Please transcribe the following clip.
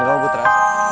dan kamu putra